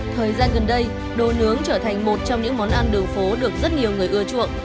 thời gian gần đây đồ nướng trở thành một trong những món ăn đường phố được rất nhiều người ưa chuộng